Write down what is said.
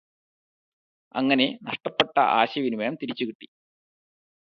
അങ്ങനെ നഷ്ട്ടപ്പെട്ട ആശയവിനിമയം തിരിച്ചു കിട്ടി